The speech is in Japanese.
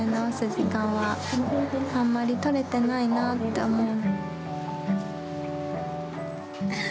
時間はあんまり取れてないなって思う。